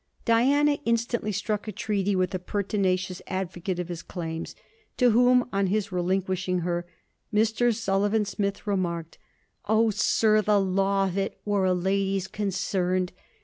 Diana instantly struck a treaty with the pertinacious advocate of his claims, to whom, on his relinquishing her, Mr. Sullivan Smith remarked: 'Oh! sir, the law of it, where a lady's concerned!